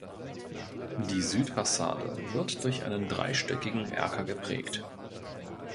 Die Südfassade wird durch einen dreistöckigen Erker geprägt.